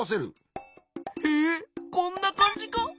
へえこんなかんじか！